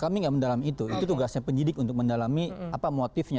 kami tidak mendalami itu itu tugasnya penyidik untuk mendalami apa motifnya